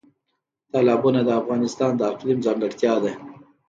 تالابونه د افغانستان د اقلیم ځانګړتیا ده.